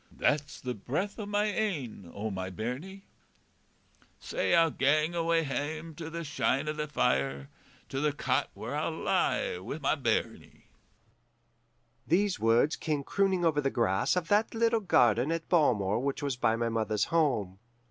That's the breath o' my ain, o' my bairnie. Sae I'll gang awa' hame, to the shine o' the fire, To the cot where I lie wi' my bairnie.' "These words came crooning over the grass of that little garden at Balmore which was by my mother's home.